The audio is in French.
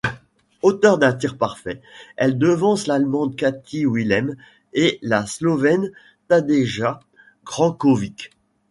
Auteur d'un tir parfait, elle devance l'Allemande Kati Wilhelm et la Slovène Tadeja Brankovic.